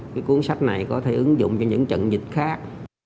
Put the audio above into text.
cái cuốn sách này có thể ứng dụng cho những trận dịch khác